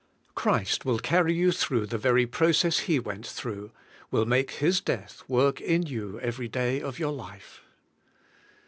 Christ will carry you through the very process He w ent through; will make His death work in you every day of your life.